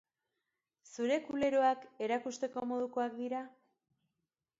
Zure kuleroak erakusteko modukoak dira?